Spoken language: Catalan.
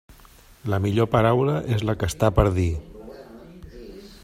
La millor paraula és la que està per dir.